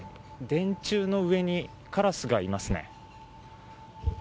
電柱の上にカラスがいますね。